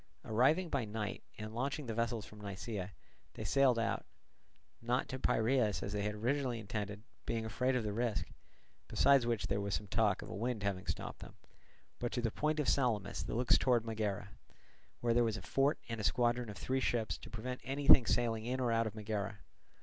Arriving by night and launching the vessels from Nisaea, they sailed, not to Piraeus as they had originally intended, being afraid of the risk, besides which there was some talk of a wind having stopped them, but to the point of Salamis that looks towards Megara; where there was a fort and a squadron of three ships to prevent anything sailing in or out of Megara.